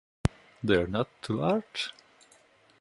They’re not too large?